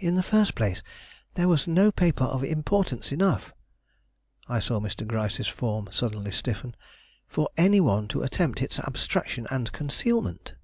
"In the first place, there was no paper of importance enough" I saw Mr. Gryce's form suddenly stiffen "for any one to attempt its abstraction and concealment."